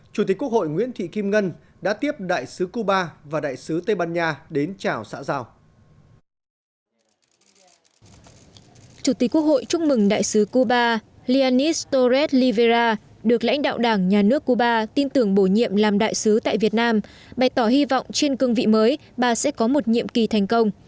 chủ tịch quốc hội chúc mừng đại sứ cuba lianis torres livera được lãnh đạo đảng nhà nước cuba tin tưởng bổ nhiệm làm đại sứ tại việt nam bày tỏ hy vọng trên cương vị mới bà sẽ có một nhiệm kỳ thành công